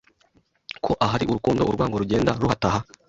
ko ahari urukundo urwango rugenda ruhataha